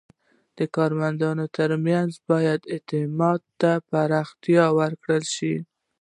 د کارمندانو ترمنځ باید اعتماد ته پراختیا ورکړل شي.